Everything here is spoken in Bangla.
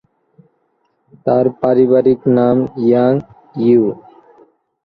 তার পারিবারিক নাম ইয়াং ইউ।